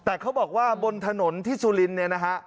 แต่เขาบอกว่าบนถนนที่สุรินตร์